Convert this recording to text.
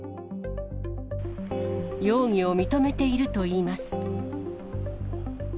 容疑を認めているといいます。